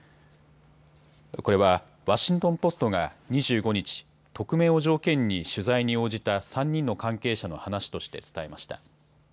これはワシントン・ポストが２５日、匿名を条件に取材に応じた３人の関係者の話として伝えました。